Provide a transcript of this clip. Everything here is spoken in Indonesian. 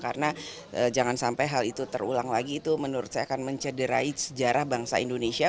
karena jangan sampai hal itu terulang lagi itu menurut saya akan mencederai sejarah bangsa indonesia